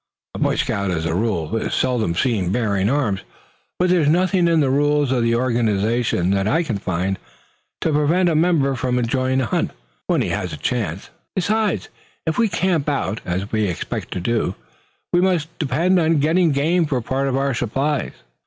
A Boy Scout as a rule is seldom seen bearing arms; but there's nothing in the rules of the organization that I can find to prevent a member from enjoying a hunt when he has the chance. Besides, if we camp out, as we expect to, we must depend on getting game for part of our supplies."